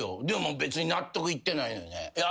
でも納得いってないのよね。